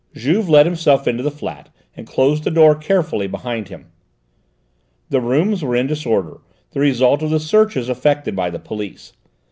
Juve let himself into the flat and closed the door carefully behind him. The rooms were in disorder, the result of the searches effected by the police.